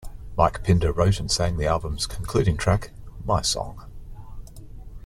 Mike Pinder wrote and sang the album's concluding track "My Song".